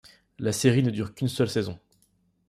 La série ne dure qu'une seule saison.